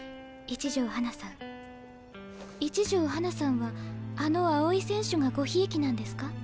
一条花さんはあの青井選手がごひいきなんですか？